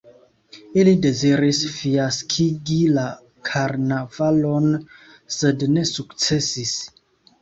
Ili deziris fiaskigi la karnavalon, sed ne sukcesis.